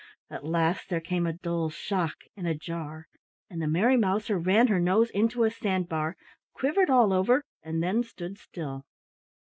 At last there came a dull shock and a jar, and the Merry Mouser ran her nose into a sand bar, quivered all over, and then stood still.